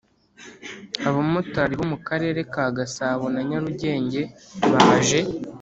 Abamotari bo mu Karere ka Gasabo na Nyarugenge baje